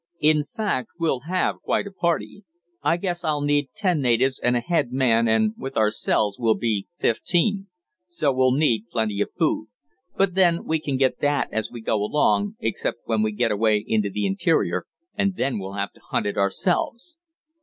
In fact we'll have quite a party. I guess I'll need ten natives, and a head man and with ourselves we'll be fifteen. So we'll need plenty of food. But then we can get that as we go along, except when we get away into the interior, and then we'll have to hunt it ourselves."